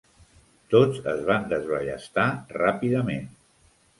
Tots es van desballestar ràpidament.